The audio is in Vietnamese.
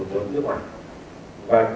đồng thời hai nguồn này lúc